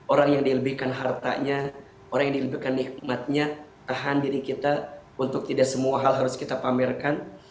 orang yang dilebihkan hartanya orang yang dilebihkan nikmatnya tahan diri kita untuk tidak semua hal harus kita pamerkan